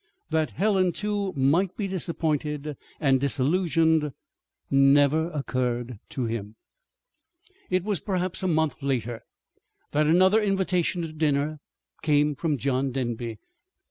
That Helen, too, might be disappointed and disillusioned never occurred to him. It was perhaps a month later that another invitation to dinner came from John Denby.